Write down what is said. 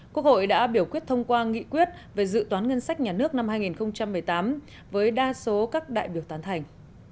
quốc hội đã biểu quyết thông qua nghị quyết về dự toán ngân sách nhà nước năm hai nghìn một mươi tám với đa số các đại biểu tán thành